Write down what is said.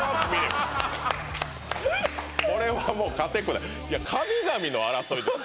これはもう勝てっこない